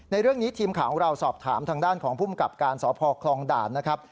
เรื่องนี้ทีมข่าวของเราสอบถามทางด้านของภูมิกับการสพคลองด่านนะครับ